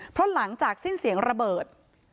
เพราะหลังจากสิ้นเสียงระเบิด